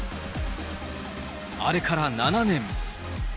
あれから７年。